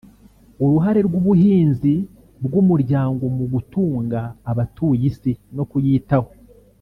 “Uruhare rw’ubuhinzi bw’umuryango mu gutunga abatuye isi no kuyitaho”